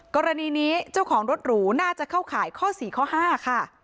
กรณีนี้เจ้าของรถหรูน่าจะเข้าข่ายข้อ๔ข้อ๕ค่ะ